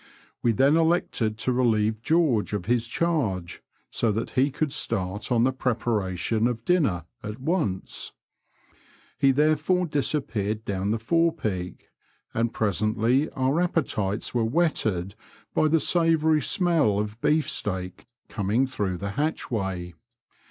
We then elected to relieve George of his charge, so that he could start on the preparation of dinner at once. He there fore disappeared down the forepeak, and presently our appetites were whetted by the savoury smell of beefsteak coming through the hatchway.